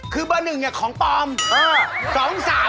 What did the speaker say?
คือเบอร์๑เนี่ยของปลอม